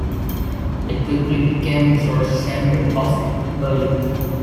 It quickly became the social center of Berlin.